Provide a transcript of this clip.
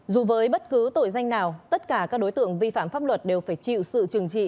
dù với bất cứ tội danh nào tất cả các đối tượng vi phạm pháp luật đều phải chịu sự trừng trị